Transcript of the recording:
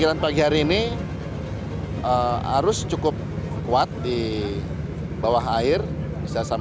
pada minggu pagi hari ini arus cukup kuat dipelengkapi dua dua lima kota t doctors selbstekk